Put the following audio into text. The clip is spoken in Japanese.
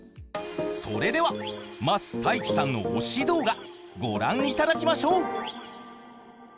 それでは桝太一さんの推し動画ご覧いただきましょう！